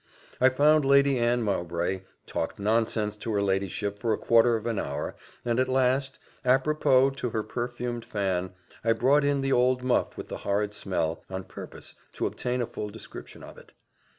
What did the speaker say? I found Lady Anne Mowbray talked nonsense to her ladyship for a quarter of an hour and at last, _à propos _to her perfumed fan, I brought in the old muff with the horrid smell, on purpose to obtain a full description of it.